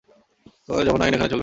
তোমাদের এই জঘন্য আইন এখানে চলবে না।